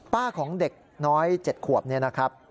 ของเด็กน้อย๗ขวบเนี่ยนะครับ